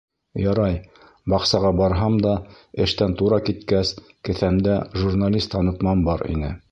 Ярай, баҡсаға барһам да, эштән тура киткәс, кеҫәмдә журналист танытмам бар ине.